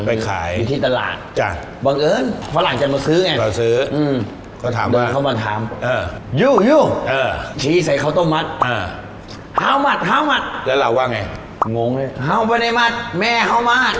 ไปขายไปที่ตลาดค่ะบังเอิญฝรั่งจำมาซื้อไงมาซื้อ